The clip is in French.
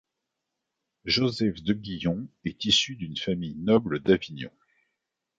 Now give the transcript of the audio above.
Joseph de Guyon est issu d'une famille noble d'Avignon.